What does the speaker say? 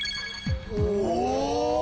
お！